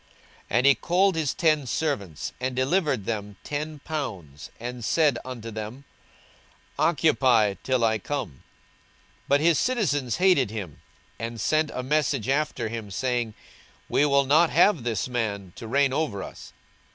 42:019:013 And he called his ten servants, and delivered them ten pounds, and said unto them, Occupy till I come. 42:019:014 But his citizens hated him, and sent a message after him, saying, We will not have this man to reign over us.